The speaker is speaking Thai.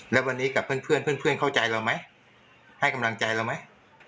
แล้ววันนี้กับเพื่อนเพื่อนเข้าใจเราไหมให้กำลังใจเราไหม